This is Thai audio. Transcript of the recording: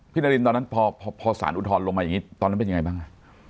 นารินตอนนั้นพอสารอุทธรณ์ลงมาอย่างนี้ตอนนั้นเป็นยังไงบ้าง